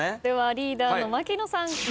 ではリーダーの槙野さん。